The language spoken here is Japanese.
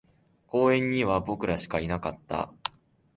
公園には僕らしかいなかった